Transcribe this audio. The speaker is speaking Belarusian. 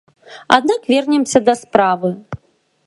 Аднак вернемся да справы.